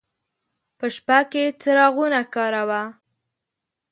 په شپه کې څراغونه کاروه.